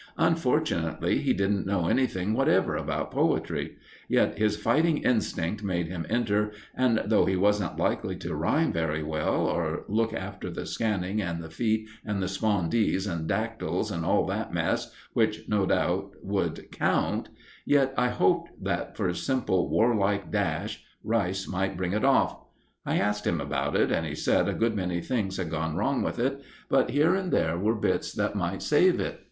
Unfortunately, he didn't know anything whatever about poetry; yet his fighting instinct made him enter, and though he wasn't likely to rhyme very well, or look after the scanning and the feet and the spondees and dactyls, and all that mess, which, no doubt, would count, yet I hoped that, for simple warlike dash, Rice might bring it off. I asked him about it, and he said a good many things had gone wrong with it, but here and there were bits that might save it.